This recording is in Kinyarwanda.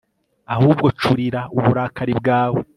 ahubwo curira uburakari bwawe